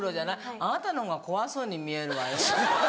あなたのほうが怖そうに見えるわよ